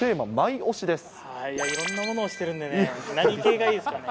いろんなものを推してるんでね、何系がいいですかね。